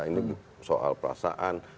ini soal perasaan